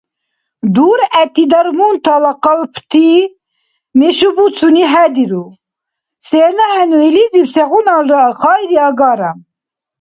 Дургӏети дармунтала къалпти мешубуцуни хӏедиру, сенахӏенну илизиб сегъуналра хайри агара.